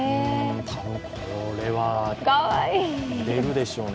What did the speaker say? これは売れるでしょうね。